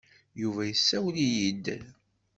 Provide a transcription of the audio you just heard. Yuba yessawel-iyi-d.